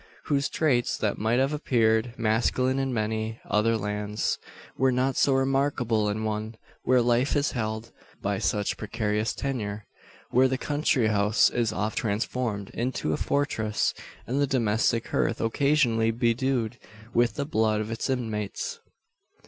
Those traits, that might have appeared masculine in many other lands, were not so remarkable in one, where life is held by such precarious tenure; where the country house is oft transformed into a fortress, and the domestic hearth occasionally bedewed with the blood of its inmates!